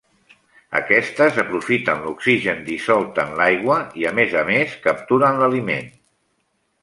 Aquestes aprofiten l'oxigen dissolt en l'aigua i, a més a més, capturen l'aliment.